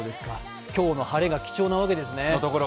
今日の晴れが貴重なわけですね。